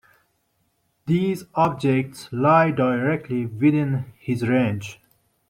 These objects lie directly within his range.